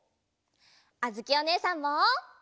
あづきおねえさんも。